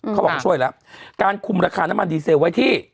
เขาบอกช่วยแล้วการคุมราคาน้ำมันดีเซลไว้ที่